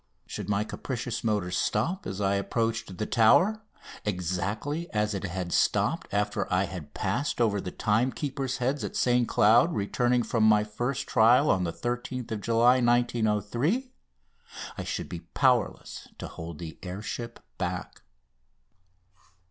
Should my capricious motor stop as I approached the Tower exactly as it stopped after I had passed over the timekeepers' heads at St Cloud, returning from my first trial on 13th July 1903 I should be powerless to hold the air ship back.